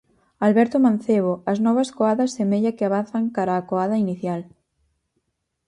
Alberto Mancebo, as novas coadas semella que avanzan cara á coada inicial.